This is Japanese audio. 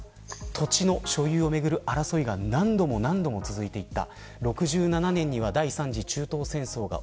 ここから土地の所有をめぐる争いが何度も何度も続いていった。